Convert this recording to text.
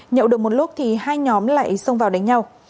nhậu được một lúc thì hai nhóm lại xông vào đánh nhau